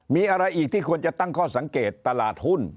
มีอะไรอีกที่ควรจะตั้งข้อสังเกตตลาดหุ้น